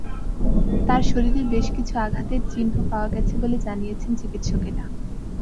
তাঁর শরীরে বেশ কিছু আঘাতের চিহ্ন পাওয়া গেছে বলে জানিয়েছেন চিকিৎসকেরা।